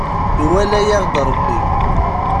Iwala-yaɣ-d Rebbi.